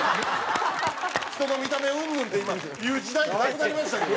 人の見た目うんぬんって今言う時代じゃなくなりましたけど。